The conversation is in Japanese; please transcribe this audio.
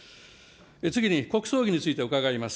次に、国葬儀について伺います。